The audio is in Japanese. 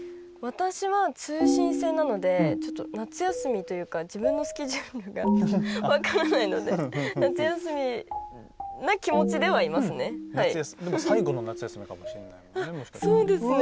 私は通信制なので夏休みというか自分のスケジュールが分からないので夏休みな気持ちではいますね。